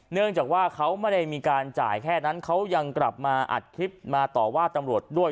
เนื่องจากว่าเขาไม่ได้มีการจ่ายแค่นั้นเขายังกลับมาอัดคลิปมาต่อว่าตำรวจด้วย